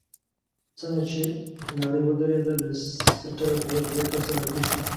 څنګه چې لارۍ ودرېده له سيټه دوه درې کسه راکوز شول.